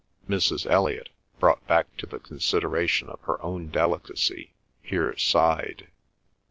Mrs. Elliot, brought back to the consideration of her own delicacy, here sighed.